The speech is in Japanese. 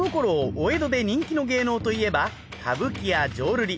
お江戸で人気の芸能といえば歌舞伎や浄瑠璃。